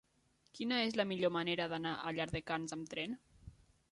Quina és la millor manera d'anar a Llardecans amb tren?